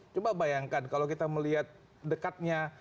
coba bayangkan kalau kita melihat dekatnya